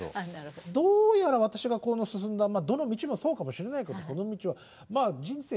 どうやら私が進んだどの道もそうかもしれないけど人生